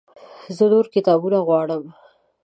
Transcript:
زه نور کتابونه غواړم